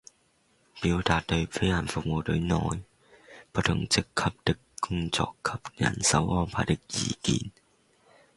表達對飛行服務隊內不同職級的工作及人手安排的意見